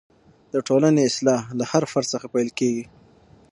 د ټولنې اصلاح له هر فرد څخه پیل کېږي.